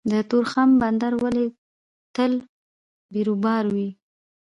د تورخم بندر ولې تل بیروبار وي؟